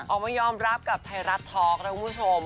ออกมายอมรับกับไทยรัฐทอล์กนะคุณผู้ชม